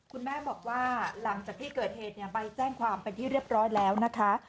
คุณแม่บอกว่าหลังจากที่เกิดเหตุใบแจ้งความเป็นที่เรียบร้อยแล้วนะคะ